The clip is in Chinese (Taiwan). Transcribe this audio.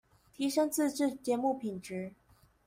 提昇自製節目品質